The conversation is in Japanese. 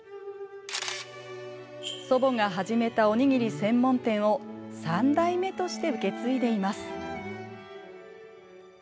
祖母が始めた、おにぎり専門店を３代目として受け継いでいます。